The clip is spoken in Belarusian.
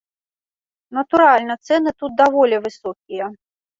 Натуральна, цэны тут даволі высокія.